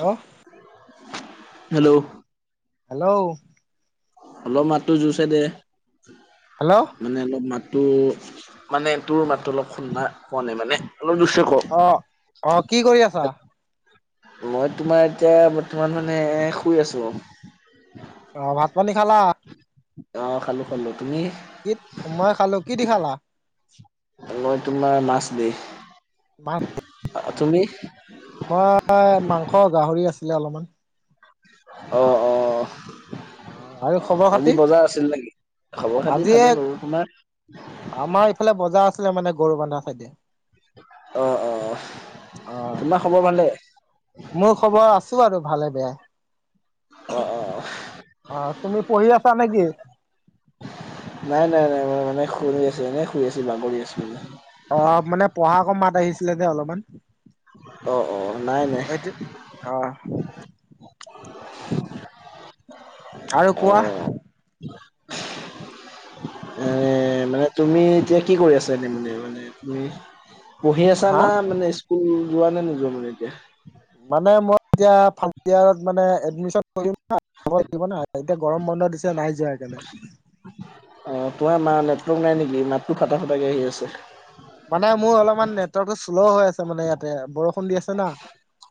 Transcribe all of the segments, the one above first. Hello, hello, hello, অলপ মাতটো জোৰছে দে। হেল্ল', মানে অলপ মাতো মানে তোৰ মাতটো অলপ খোনা পোৱা নাই মানে অলপ দুচ ক [unintelligible] অ অ কি কৰি আছা মই তোমাৰ এতিয়া বৰ্তমান মানে শুই আছো। অ, ভাত পানী খালা? অ, খালো - খালো তুমি? মই খালো কি দি খালা? মই তোমাৰ মাছ দেই মাছ তুমি মই মাংস গাহৰি আছিলে অলমান অ অ অ অ আৰু খবৰ আজি খাতি বজাৰ আছিল নেকি? খবৰ খাতি আজি ভালে বাৰু তোমাৰ? আমাৰ ইফালে বজাৰ আছিলে মানে গৰু বান্ধা চাইডে। অ', অ', অ তোমাৰ খবৰ ভালে? মোৰ খবৰ আছো আৰু ভালে বেয়ায়। অ অ অ, তুমি পঢ়ি আছা নেকি? নাই নাই নাই মানে শুৰি আছো এনে শুই আছিল বাগৰি আছিলো অ মানে পহাক আক মাত আহিছিলে যে অলমান অ অ নাই নাই হেতি অ আৰু কোৱা অ এ মানে তুমি এতিয়া কি কৰি আছা এ মানে মানে তুমি পঢ়ি আছা হা না মানে স্কুল যোৱা নে নোযোৱা মানে এতিয়া মানে মই এতি ফাৰ্ষ্ট ইয়াৰত মানে এদমিচন কৰিম না [unintelligible] এতিয়া গৰম বন্ধ দিছে নাই যোৱা সেইকাণে অ তোমাৰ মা নেটৱৰ্ক নাই নেকি মাতটো ফাটা ফাটাকে আহি আছে মানে মোৰ অলপমান নেটৱৰ্কটো শ্ল' হৈ আছে মানে ইয়াতে বৰষুণ দি আছে না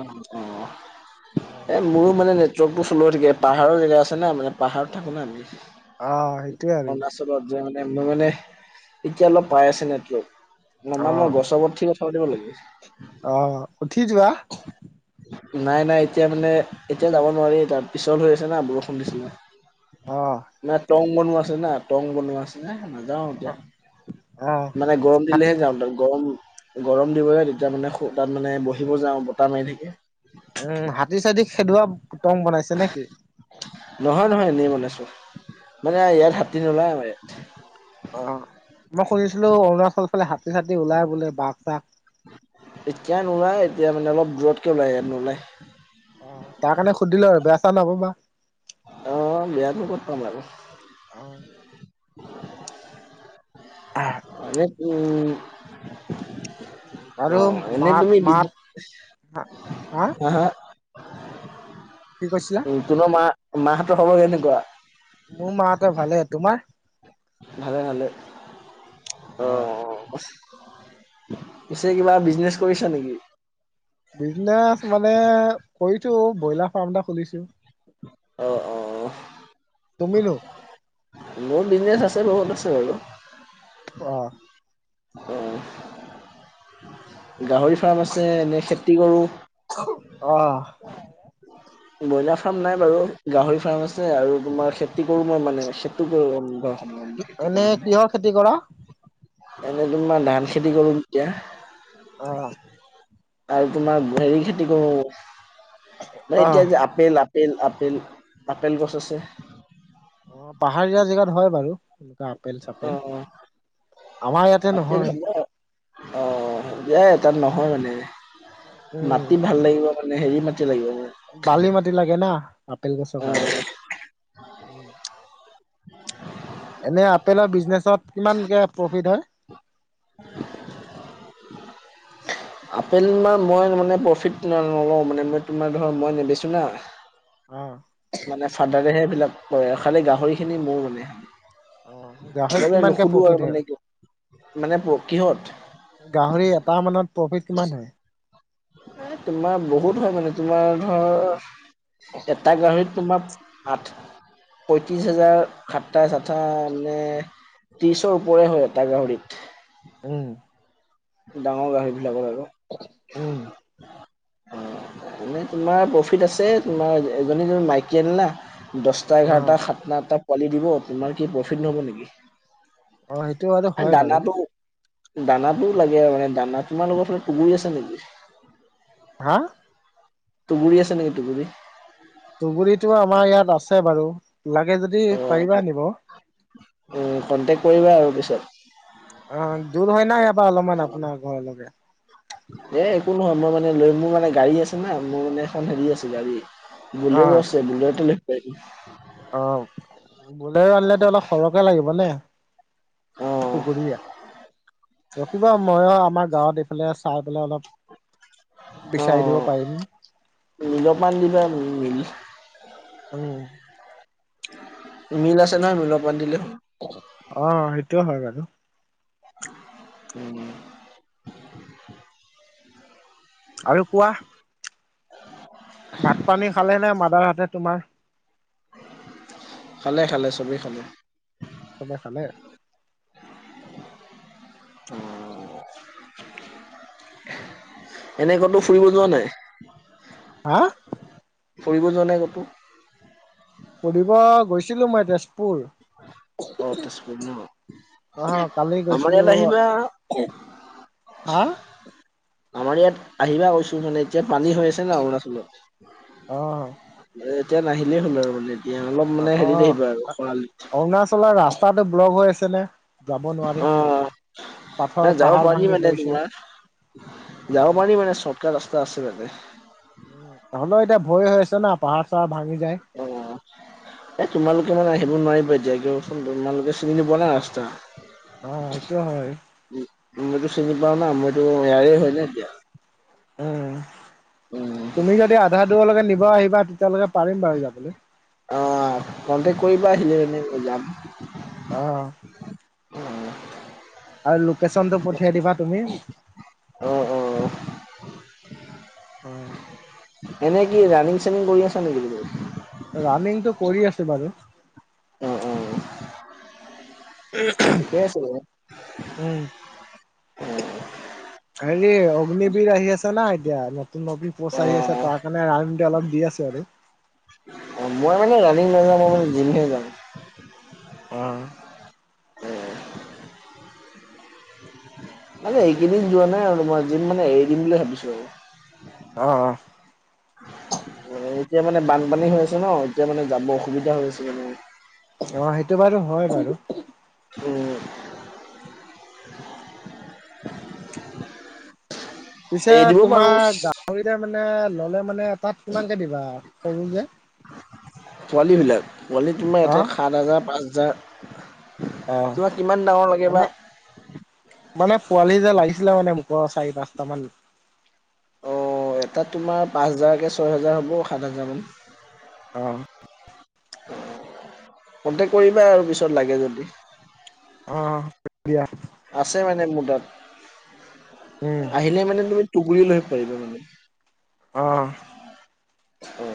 অ অ অ এ মোৰো মানে নেটৱৰ্কটো চল হৈ থাকে পাহাৰৰ জেগ আছে ন মানে পাহাৰত থাকো না আমি আ হেই অৰুণাচলত যে মানে মোৰ মানে এতিয়া অলপ পাই আছে নেটৱৰ্ক অ নম্বা মই গছৰ ওপৰত উঠি কথা পাতিব লাগে। অ উঠি যোৱা নাই নাই এতিয়া মানে এতিয়া যাব নোৱাৰি তাৰ পিছল হৈ আছে না বৰষুণ দিছে ন। অ নাই টং বনোৱা আছে না টং বনোৱা আছে নাই। যাওঁ এতিয়া অ মানে গৰম হাতী দিলেহে যাওঁ তাত গৰম গৰম দিব লাগে তেতিয়া মানে তাত মানে বহিব যাওঁ বতাহ মাৰি থাকে। উম হাতী চাতী খেদোৱা টং বনাইছে নেকি? নহয় নহয় এনেই বনাইছো মানে অ ইয়াত হাতী নোলাই আমাৰ ইয়াত অ মই শুনিছিলো অৰুণাচল ফালে হাতী চাতী ওলাই বোলে বাঘ চাক এতিয়া নোলায় এতিয়া মানে অলপ দূৰতকে ওলাই ইয়াত নোলায় অ তাৰ কাৰণে সুধিলো আৰু বেয়া চেয়া নাপাবা অ বেয়ানো কত পাম আৰু অ মানে উম অ আৰু এনেই মাত তুমি দি মাত হা হা কি কৈছিলা? জুনৰ মাহ, মাহতৰ খবৰ কেনেকুৱা? মোৰ মাহতৰ ভালে, তোমাৰ? ভালে ভালে অ। পিছে কিবা বিজনেচ কৰিছা নেকি? বিজনেচ মানে কৰিছো ব্ৰইলাৰ ফাৰ্ম এটা খুলিছো। অ অ তুমিনো? মোৰো বিজনেচ আছে বহুত আছে বাৰু। অ। অ অ গাহৰি ফাৰ্ম আছে এনেই খেতি কৰোঁ। অ। ব্ৰইলাৰ ফাৰ্ম নাই বাৰু, গাহৰি ফাৰ্ম আছে আৰু তোমাৰ খে খেতি কৰো মই মানে, সেইটো এনে কৰো [inaudible] কিহৰ খেতি কৰা? এনে তোমাৰ ধান খেতি কৰো এতিয়া। অ', আৰু তোমাৰ হেৰি খেতি কৰো ম অ', এতিয়া যে আপেল - আপেল - আপেল - আপেল গছ আছে। অ পাহাৰীয়া জেগাত হয় বাৰু এনেকুৱা আপেল অ চাপেল, অ আমাৰ ইয়াতে আপেল নহয়। হ'ব অ দিয়াই তাত নহয় মানে উম, মাটি ভাল লাগিব। মানে হেৰি মাটি লাগিব। বালি মাটি লাগে না আপেল গছৰ অ কাৰণে। উম এনে আপেলৰ বিজনেচত কিমানকে প্ৰফিট হয়? আপেল মাৰ মই মানে প্ৰফিট নলও মানে মই তোমাৰ ধৰ মই নেবেছো না। অ', মানে ফাদাৰেহে এইবিলাক কৰে, খালি গাহৰি খিনি মোৰ মানে। অ', গাহৰিত মই বে কিমানকে নুসুধো প্ৰফিট আৰু হয়? মানে কি মানে প্ৰ কিহত গাহৰি এটা মানত প্ৰফিট কিমান হয়? তোমাৰ বহুত হয় মানে তোমাৰ ধৰ, এটা গাহৰিত তোমাৰ আঠ পঁয়ত্ৰিছ হাজাৰ সাতাইছ আঠ মানে ত্ৰিছৰ ওপৰে হয় এটা গাহৰিত। উম, ডাঙৰ গাহৰি বিলাকৰ আৰু। উম, এনেই তোমাৰ প্ৰফিট আছে, তোমাৰ এজনী গৰু মাইকিয়েল না। দছটা, এঘাৰটা, অ', সাতটা, আঠটা পোৱালি দিব তোমাৰ কি প্ৰফিট নহব নেকি? অ', সেইটো বাৰু হয় বাৰু দানাটো- দানা লাগে আৰু মানে দানা তোমালোকৰ ফালে আছে নেকি? হা? টোগুৰি আছে নে কি টোগুৰি? ধুগুৰিটো আমাৰ ইয়াত আছে বাৰু লাগে যদি পাৰিবা আনিব। কণ্টেক্ট কৰিবা আৰু পিছত। অ, দূৰ হয় না ইয়াপা অলপমান আপোনাৰ ঘৰলৈকে। এ একো নহয় মই মানে লৈ মোৰ মানে গাড়ী আছে না মোৰ মানে এখন হেৰি আছে গাড়ী। অ বুলেট আছে বুলেটো লব পায়িবি। অ, বোলে আনিলেতো অলপ সৰহকে লাগিব নে? অ টো গৰিয়া। ৰখিব মইউ আমাৰ গাঁৱত এইফালে চাই পেলাই অলপ অ বিচাৰি দিব পাৰিম। [unintelligible] [unintelligible] মিল আছে নহয় মিলৰ পান দিলে। অ, সেইটোও হয় বাৰু। উম, আৰু কোৱা। ভাত পানী খালে নে মাদাৰ হতে তোমাৰ। খালে- খালে চবেই খালে। খালে - খালে। [inaudible] এনেকতো ফুৰিব যোৱা নাই। হা। ফুৰিব যোৱা নাই কতো। পঢ়িব গৈছিলো মই তে পুৰ অ তেজপুৰ ন অ, কালি আমাৰ ইয়াত গৈছিলো। আহিবা হা। আমাৰ ইয়াত আহিবা ক‌ইছো মানে। এতিয়া পানী হৈ আছে না অ অ অৰুণাচলত এতিয়া নাহিলেই হ'ল আৰু মানে। অলপ মানে অ হেৰিত আহিব আৰু খৰালিত। অৰুণাচলৰ ৰাচ তাতো ব্লগ হৈ আছিলে যাব নোৱাৰি। পাথৰ ন যাব পাহাৰ পাৰি ভাঙি মানে পৰিছে তোমাৰ, যাব উম পাৰি মানে চত কাত ৰাস্তা আছে মানে। উ হ'লেও এতিয়া ভয় হৈ আছে না, পাহাৰ-চাহাৰ ভাঙি যায়। এই তোমালোকে মানে আহিব নোৱাৰিবা এতিয়া, কিয়চোন তোমালোকে চিনি নোপোৱা না ৰাস্তা। অ সেইটো হয়। মইটো চিনি পাও না। মইতো ইয়াৰে হয় ন এতিয়া। উম, উম। তুমি যদি আধা দূৰলৈকে নিব আহিবা, তেতিয়ালৈকে পাৰিম বাৰু যাবলৈ। অ কণ্টেক্ট কৰিবা আহিলে মেনে যাম। অহ। আৰু লোকেশ্যনটো পঠিয়াই দিবা তুমি অঁ, অঁ। হয়। এনে কি ৰানিং-চানিং কৰি আছা নেকি তুমি? ৰানিংটো কৰি আছে বাৰু। অঁ, অঁ, অঁ। [unintelligible] উম। অ', হেৰি অগ্নিবীৰ আহি আছ না এতিয়া নতুন পষ্ট আহি আছে, অ', তাৰ কাৰণে আইম অলপ দি আছো আৰু। অ মই মানে ৰানিং নাযাওঁ, মই মানে যিমহে যাম। অঁহ। উম। মানে এইকেইদিন যোৱা নাই আৰু মই যিম মানে এৰি দিম বুলি ভাবিছোঁ আৰু। অ-অ [unintelligible] [inaudible] অ এতিয়া মানে বানপানী হৈ আছে ন, এতিয়া মানে যাব অসুবিধা হৈ আছে মানে। ঽ শৱ নন্টন্টছ ৈউ অ সেইটো বাৰু হয় বাৰু [unintelligible] উম [unintelligible] পিছে এৰি দিব পাৰো তোমাৰ গা। খৰিতে মানে ললে মানে তাত কিমানকে দিবা সৰু যে? পোৱালীবিলাক, পোৱালি তোমাৰ এটাত অ', সাত হাজাৰ, পাঁচ হাজাৰ। অ তোমাক কিমান ডাঙৰ লাগে বা এনে মানে পোৱালি যে লাগিছিলে মানে মোক চাৰি পাঁচটা মান। এতাত তোমাৰ পাঁচ হাজাৰকৈ ছয় হেজাৰ হ'ব, সাত হাজাৰমান। অ। কন্টেক কৰিবা আৰু পিছত লাগে যদি। অঁ দিয়া [unintelligible] আছে মানে মোৰ তাত। উম। আহিলে মানে তুমি টুকুৰি লৈ ফুৰিবা মানে। অঁ অ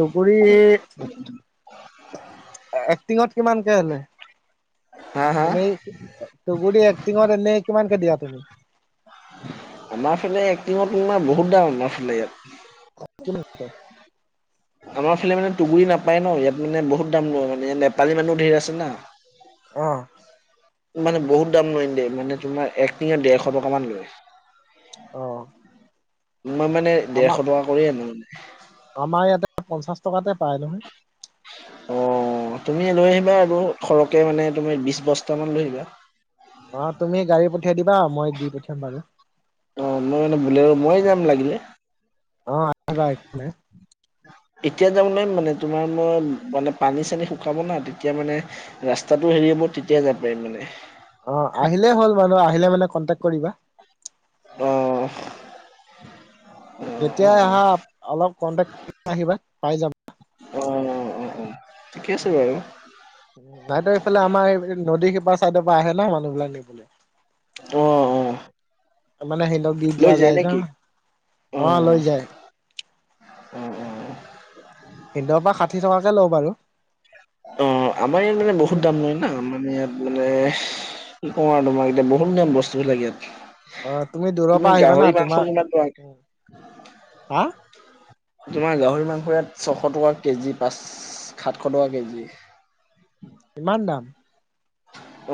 টুকুৰী এক টিঙত কিমানকে লয় হা [inaudible] হা এনেই তুগুৰি এক টিঙত এনেই কিমানকে দিয়া তুমি? আমাৰ ফালে এক টিঙত তোমাৰ বহুত দাম আমাৰ ফালে ইয়াত। কিনে [unintelligible] আমাৰ ফালে মানে তুগুৰি নাপায় ন। ইয়াত মানে বহুত দাম লয়, মানে নেপালী মানুহ ধেইৰ আছে না। অঁ। মানে বহুত দাম লৈন দেই, মানে তোমাৰ এক টিঙত ডেৰশ টকামান লয়। অ মই মানে আমাৰ দেৰশ টকা কৰিয়েই আনো মানে। আমাৰ ইয়াতে পঞ্চাশ টকাতে পায় নহয়। অ তুমি লৈ আহিবা আৰু সৰহকে মানে তুমি বিশ বস্তামান লৈ আহিবা। অ তুমি গাড়ী পঠিয়াই দিবা মই দি পঠিয়াম বাৰু। মই অ' মানে বুলেৰু আৰু মই যাম লাগিলে। অ আহিবা এইফালে [unintelligible] এতিয়া যাব নোৱাৰিম মানে তোমাৰ মই মানে পানী-চানী শুকাব না তেতিয়া মানে ৰাস্তাটো হেৰি হ'ব মই তেতিয়া যাব পাৰিম মানে। অ আহিলেই হ'ল মানুহ আহিলে মানে কণ্টেক্ট কৰিবা অ অ' অ' যেতিয়াই আহা অলপ কন্টেক্ট কৰি আহিবা পাই যাম অ অ অহ তাহাঁতৰ এইফালে আমাৰ এই নদী সিপাৰৰ চাইডৰ পৰা আহে ন মানুহবিলাক নিবলে। অ-অ মানে সিহঁতক দি দিয়া যায় ন, অ লৈ যায়। অ' অ'। সিহঁতৰ পৰা ষাঠি টকাকে ল‌ওঁ বাৰু অ আমাৰ ইয়াত মানে তুমি বহুত দাম লয় না মানে ইয়াত মানে কি কও আৰু তোমাক এতিয়া বহুত দাম বস্তুবিলাক ইয়াত। অ তুমি দূৰৰ পৰা আহিবা না গাহৰি মাংস তোমাৰ কিমান টকা হা তোমাৰ গাহৰি মাংস ইয়াত ছশ টকা কেজি, পাঁচ সাতশ টকা কেজি ইমান দাম?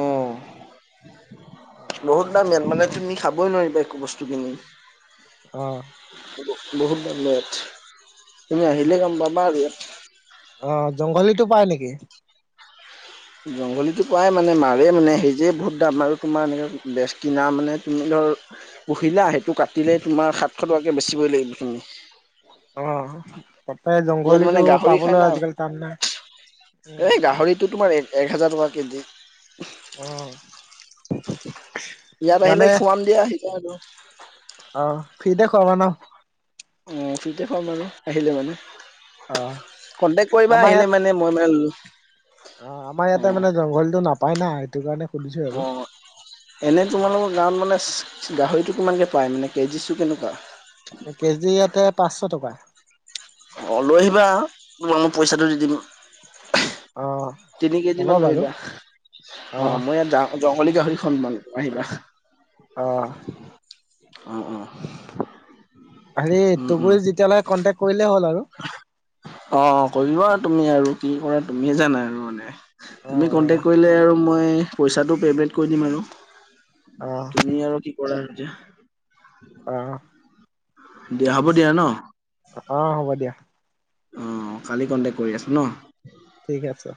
অ বহুত দাম ই মানে তুমি খাবই নোৱাৰি একো বস্তু কিনি অ বহুত দাম লয় ইয়াত তুমি আহিলে গম পাবা আৰু ইয়াত অ জংঘলীটো পাই নেকি? জংঘলীটো পাই মানে মাৰে মানে সেই যে বহুত দাম আৰু তোমাৰ এনেকে বেছ কিনা মানে তুমি ধৰ, পুহিলা সেইটো কাটিলেই তোমাৰ সাতশ টকাকৈ বেচিবই লাগিব সেইখিনি অ তাতে ইয়াত জংঘলীটো মানে গাহৰি খাই পাবলৈ না আজিকালি টান না উ এইটো তোমাৰ এক এক হেজাৰ টকাকে দিয়ে। অ ইয়াত আহিলে মানে খোৱাম দিয়া আহিলে আৰু অ ফ্ৰিতে খুৱাবা ন? অ ফ্ৰিতে খোৱাম বাৰু আহিলে মানে অ কন্টেক্ট কৰিবা আমাৰ ইয়াত আহিলে মানে। মই মানে অ আমাৰ অ ইয়াতে মানে জংঘলটো নাপাই না সেইটো কাৰণে সুধিছো আৰু এনেই তোমালোকৰ গাঁৱত মানে গাহৰিটো কিমানকৈ পায় মানে কেজি চো কেনেকোৱা? কেজি ইয়াতে পাঁচশ টকা। অ লৈ আহিবা আৰু তোমাক মই পইচাটো দি দিম অ তিনি কেজি হ'ব মান লৈ বাৰু আহিবা অ মই ইয়াত যাও, জংঘলী গাহৰি খোৱাম মানে আহিবা অ অ অ, হেৰি উম উম তুগুৰি যেতিয়া লাগে কন্টেক্ট কৰিলে হ'ল আৰু। অ কৰিবা আৰু তুমি আৰু কি কৰা তুমিয়ে জানা আৰু মানে। অ তুমি অ কণ্টেক্ট কৰিলে আৰু মই পইচাটো পে'মেণ্ট কৰি দিম আৰু, অ তুমি আৰু কি কৰা এতিয়া অ দিয়া হ'ব দিয়া ন। অ হ'ব দিয়া। অ কালি কণ্টেক্ট কৰি আছো ন। ঠিক আছে।